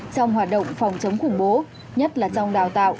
trong hoạt động phòng chống khủng bố nhất là trong đào tạo